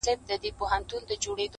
چي بد ګرځي بد به پرځي -